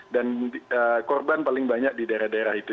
dan korban paling banyak di daerah daerah itu